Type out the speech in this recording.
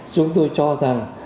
chúng tôi cho rằng